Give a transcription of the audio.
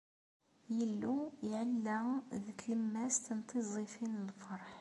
Illu iɛella di tlemmast n tiẓẓifin n lferḥ.